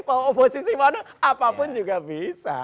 mau oposisi mana apapun juga bisa